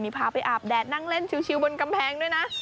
พาไปอาบแดดนั่งเล่นชิลบนกำแพงด้วยนะ